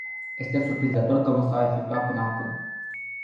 Este surprinzător că nu s-au efectuat până acum.